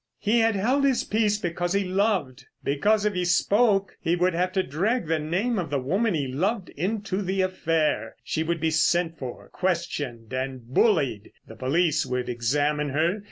He had held his peace because he loved. Because if he spoke he would have to drag the name of the woman he loved into the affair. She would be sent for, questioned, and bullied; the police would examine her.